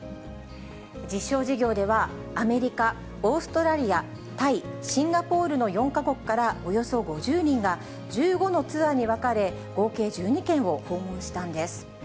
実証事業では、アメリカ、オーストラリア、タイ、シンガポールの４か国から、およそ５０人が、１５のツアーに分かれ、合計１２県を訪問したんです。